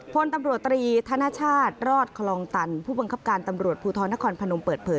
พลตำรวจตรีธนชาติรอดคลองตันผู้บังคับการตำรวจภูทรนครพนมเปิดเผย